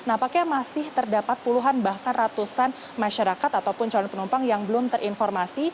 nampaknya masih terdapat puluhan bahkan ratusan masyarakat ataupun calon penumpang yang belum terinformasi